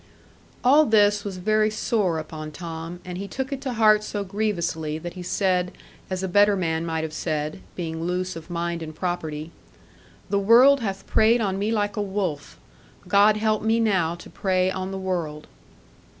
All this was very sore upon Tom; and he took it to heart so grievously, that he said, as a better man might have said, being loose of mind and property, 'The world hath preyed on me like a wolf. God help me now to prey on the world.'